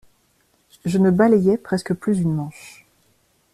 Je ne balayais presque plus une manche.